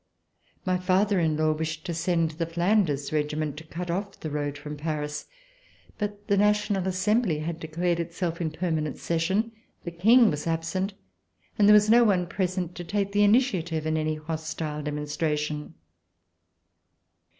My father in law wished to send the Flanders Regiment to cut off the road from Paris, but the National Assembly had declared itself in a permanent session, the King was absent, and there was no one present to take the initiative in any hostile demonstration.